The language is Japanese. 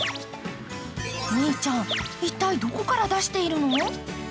メイちゃん、一体どこから出しているの？